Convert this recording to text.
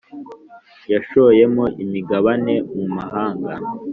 Yashoyemo imigabane mu mahanga